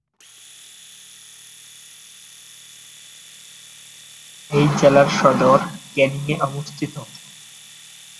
এই জেলার সদর ক্যানিং-এ অবস্থিত।